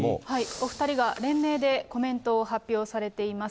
お２人が連名でコメントを発表されています。